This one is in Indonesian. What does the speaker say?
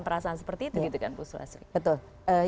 perasaan seperti itu gitu kan bu sulastri